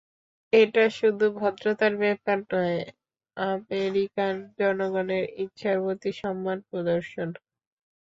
এটা শুধু ভদ্রতার ব্যাপার নয়, আমেরিকান জনগণের ইচ্ছার প্রতি সম্মান প্রদর্শন।